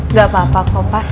gak apa apa kok pak